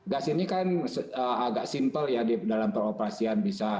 gas ini kan agak simpel ya dalam peroperasian bisa